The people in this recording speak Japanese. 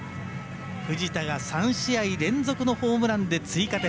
藤田が３試合連続のホームランで追加点。